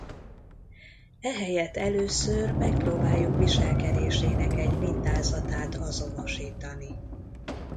Ehelyett először megpróbáljuk viselkedésének egy mintázatát azonosítani.